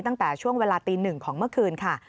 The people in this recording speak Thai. ตั้งแต่ช่วงเวลาตีหนึ่งของเมื่อคืนค่ะ